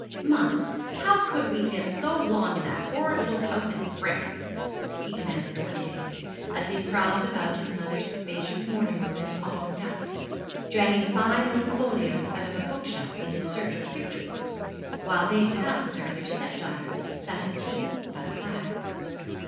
'Mamma, however could we live so long in that horrid little house in France?' he demanded one day, as he prowled about his mother's spacious morning room in the autumn dusk, dragging fine old folios out of a book shelf in his search for picture books, while Lady Palliser and her stepdaughter sat at tea by the fire.